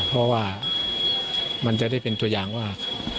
เพราะว่ามันจะได้เป็นตัวอย่างว่า